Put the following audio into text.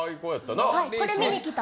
これを見にきた。